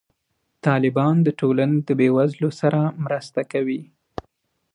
طالبان د ټولنې د بې وزلو سره مرسته کوي.